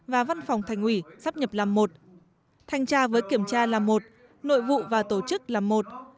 và văn phòng thành ủy sắp nhập làm một thanh tra với kiểm tra là một nội vụ và tổ chức là một